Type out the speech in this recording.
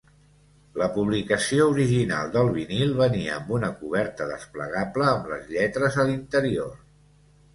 La publicació original del vinil venia amb una coberta desplegable amb les lletres a l'interior.